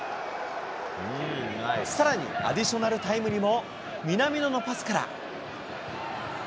さらに、アディショナルタイムにも南野のパスから。